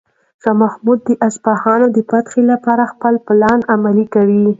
شاه محمود د اصفهان د فتح لپاره خپل پلان عملي کوي.